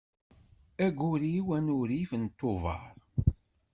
Aggur-iw anurif d Tubeṛ.